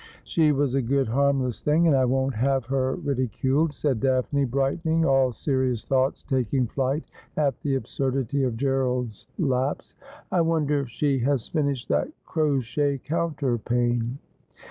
' She was a good harmless thing, and I won't have her ridi culed,' said Daphne, brightening, all serious thoughts taking flight at the absurdity of Grerald's lapse. ' I wonder if she has finished that crochet counterpane.'